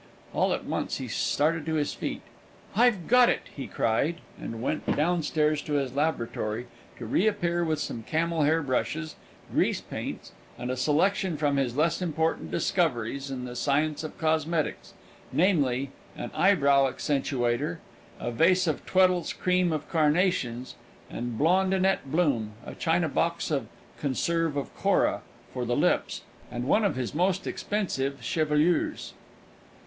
All at once he started to his feet. "I've got it!" he cried, and went downstairs to his laboratory, to reappear with some camel hair brushes, grease paints, and a selection from his less important discoveries in the science of cosmetics; namely, an "eyebrow accentuator," a vase of "Tweddle's Cream of Carnations" and "Blondinette Bloom," a china box of "Conserve of Coral" for the lips, and one of his most expensive chevelures.